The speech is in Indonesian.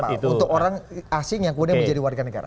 untuk orang asing yang kemudian menjadi warga negara